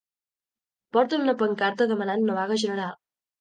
Porten una pancarta demanant una vaga general.